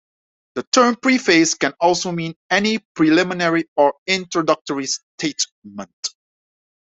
The term "preface" can also mean any preliminary or introductory statement.